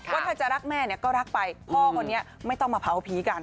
ว่าถ้าจะรักแม่เนี่ยก็รักไปพ่อคนนี้ไม่ต้องมาเผาผีกัน